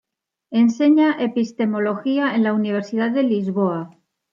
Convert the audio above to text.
Enseña epistemología en la Universidad de Lisboa.